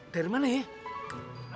dari mana ya